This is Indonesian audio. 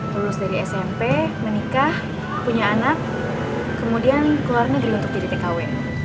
lulus dari smp menikah punya anak kemudian keluar negeri untuk jadi tkw